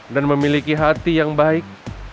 dan memiliki hati yang baik